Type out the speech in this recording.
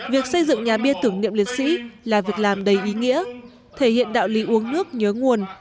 việc xây dựng nhà bia tưởng niệm liệt sĩ là việc làm đầy ý nghĩa thể hiện đạo lý uống nước nhớ nguồn